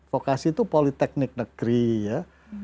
vokasi itu politeknik negeri ya